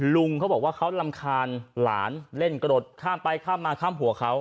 ลุงเขาบอกว่าเขารำคาญหลานเล่นกรดข้ามไปข้ามมาข้ามหัวเขา